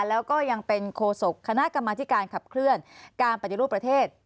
แล้วก็ยังเป็นโคศกคณะกรรมธิการขับเคลื่อนการปฏิรูปประเทศ